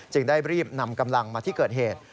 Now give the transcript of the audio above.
ได้รีบนำกำลังมาที่เกิดเหตุ